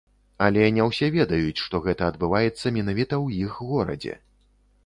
Але не ўсе ведаюць, што гэта адбываецца менавіта ў іх горадзе.